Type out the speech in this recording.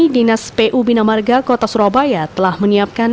dinas pu bina marga kota surabaya telah menyiapkan